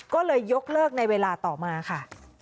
ก็เลยยกเลิกในเวลาต่อมาค่ะ